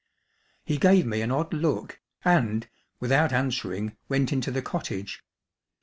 He gave me an odd look and, without answering, went into the cottage.